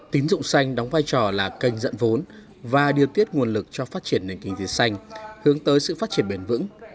tín dụng xanh đóng vai trò là kênh dẫn vốn và điều tiết nguồn lực cho phát triển nền kinh tế xanh hướng tới sự phát triển bền vững